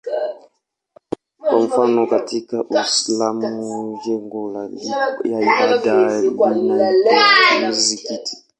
Kwa mfano katika Uislamu jengo la ibada linaitwa msikiti.